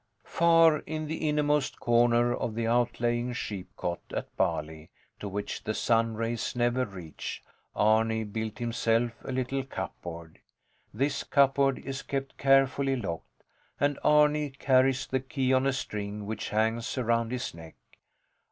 Far in the innermost corner of the outlying sheepcote at Bali, to which the sun's rays never reach, Arni built himself a little cupboard. This cupboard is kept carefully locked, and Arni carries the key on a string which hangs around his neck.